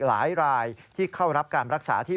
พอหายจากท้องเสียหรือใส้อาเจียน